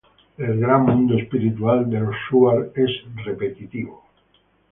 El gran mundo espiritual de los shuar es repetitivo.